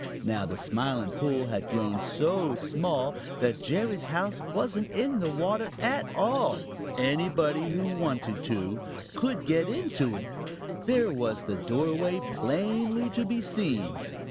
Now the Smiling Pool had grown so small that Jerry's house wasn't in the water at all. Anybody who wanted to could get into it. There was the doorway plainly to be seen.